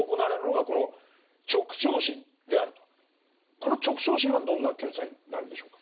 この直腸診はどんな検査になるんでしょうか？